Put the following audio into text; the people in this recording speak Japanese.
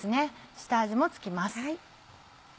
下味も付きます。